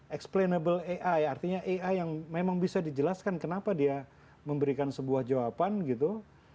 explinable ai artinya ai yang memang bisa dijelaskan kenapa dia memberikan sebuah jawaban gitu